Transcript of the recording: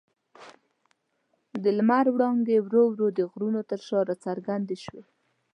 د لمر وړانګې ورو ورو د غرونو تر شا راڅرګندې شوې.